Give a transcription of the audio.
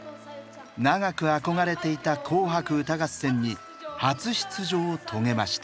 長く憧れていた「紅白歌合戦」に初出場を遂げました。